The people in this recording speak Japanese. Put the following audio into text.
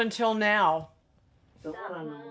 「そうなの」。